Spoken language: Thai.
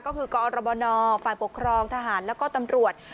ก็คือกรบนมุกนาหารฝ่าปกครองทหารแล้วก็ตำรวจ